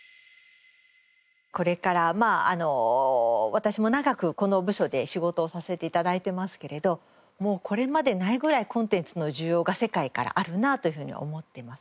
私も長くこの部署で仕事をさせて頂いてますけれどもうこれまでにないぐらいコンテンツの需要が世界からあるなというふうには思っています。